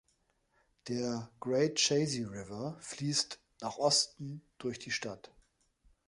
Der Great Chazy River fließt nach Osten durch die Stadt.